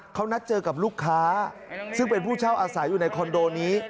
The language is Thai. เขานัดเจอกับลูกค้าซึ่งเป็นผู้เช่าอาศัยอยู่ในคอนโดนี้